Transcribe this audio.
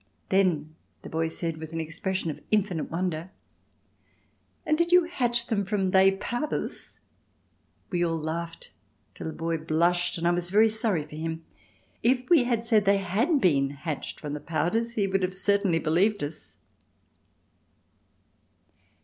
Then the boy said with an expression of infinite wonder: "And did you hatch them from they powders?" We all laughed till the boy blushed and I was very sorry for him. If we had said they had been hatched from the powders he would have certainly believed us.